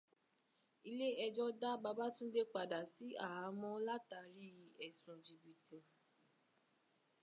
Ilé ẹjọ́ dá Babátúndé padà sí áhàmọ́ọ́ látàrí ẹ̀sùn gìbìtì.